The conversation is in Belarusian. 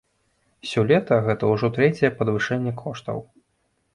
Сёлета гэта ўжо трэцяе падвышэнне коштаў.